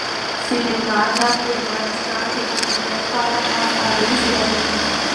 سلیمان غر د افغانستان د امنیت په اړه هم اغېز لري.